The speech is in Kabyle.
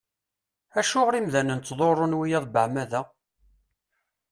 Acuɣer imdanen ttḍurrun wiyaḍ beεmada?